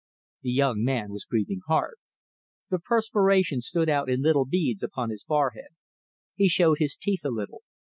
The young man was breathing hard. The perspiration stood out in little beads upon his forehead. He showed his teeth a little.